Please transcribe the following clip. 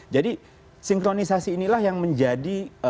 jadi sinkronisasi inilah yang menjadi